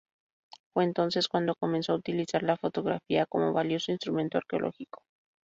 Fue entonces cuando comenzó a utilizar la fotografía como valioso instrumento arqueológico.